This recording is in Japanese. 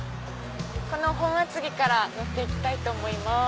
この本厚木から乗って行きたいと思います。